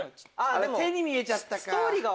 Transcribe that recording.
手に見えちゃったか。